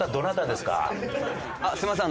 すいません